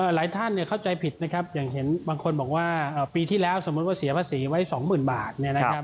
หลายท่านเข้าใจผิดนะครับอย่างเห็นบางคนบอกว่าปีที่แล้วสมมุติว่าเสียภาษีไว้๒๐๐๐บาทเนี่ยนะครับ